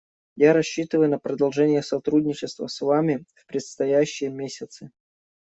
Я рассчитываю на продолжение сотрудничества с Вами в предстоящие месяцы.